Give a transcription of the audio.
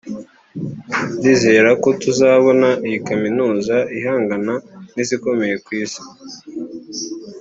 ndizera ko tuzabona iyi Kaminuza ihangana n’izikomeye ku Isi